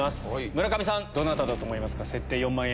村上さん、どなただと思いますか、設定４万円。